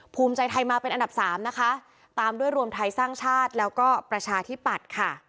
คุมใจไทยมาเป็นอันดับ๓ตามด้วยรวมไทยสร้างชาติและประชาที่ปัด